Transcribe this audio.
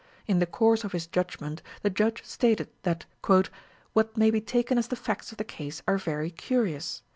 In the course of his judgment, the Judge stated that "what may be taken as the facts of the case are very curious.